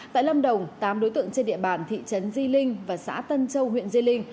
tại lâm đồng tám đối tượng trên địa bàn thị trấn di linh và xã tân châu huyện di linh